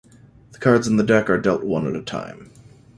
The cards in the deck are dealt one at a time.